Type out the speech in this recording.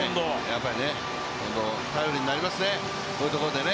やっぱり近藤、頼りになりますね、こういうところでね。